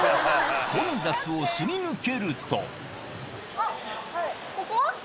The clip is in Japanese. あっここ？